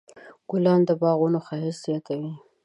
ګلان د باغونو ښایست زیاتوي.